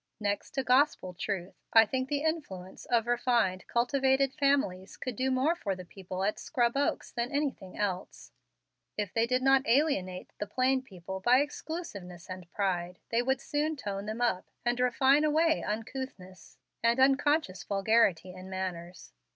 Next to gospel truth, I think the influence of refined, cultivated families could do more for the people at Scrub Oaks than anything else. If they did not alienate the plain people by exclusiveness and pride, they would soon tone them up and refine away uncouthness and unconscious vulgarity in manners.